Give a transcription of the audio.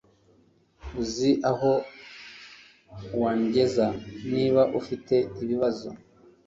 Uzi aho wangeza niba ufite ibibazo